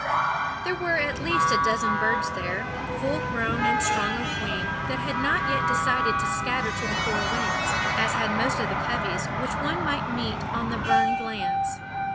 There were at least a dozen birds there, full grown and strong of wing, that had not yet decided to scatter to the four winds, as had most of the coveys which one might meet on the burned lands.